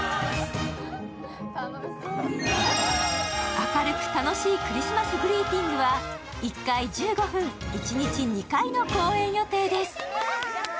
明るく楽しいクリスマス・グリーティングは１回１５分、一日２回の公演予定です。